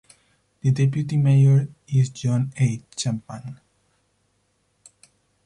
The deputy mayor is John H. Champagne.